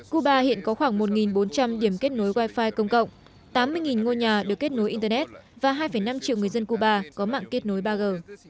cuba hiện có khoảng một bốn trăm linh điểm kết nối wi fi công cộng tám mươi ngôi nhà được kết nối internet và hai năm triệu người dân cuba có mạng kết nối ba g